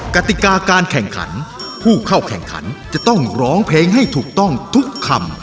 กติกาการแข่งขันผู้เข้าแข่งขันจะต้องร้องเพลงให้ถูกต้องทุกคำ